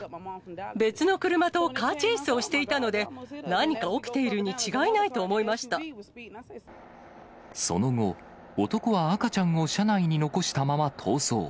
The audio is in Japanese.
別の車とカーチェイスをしていたので、何か起きているに違いないその後、男は赤ちゃんを車内に残したまま逃走。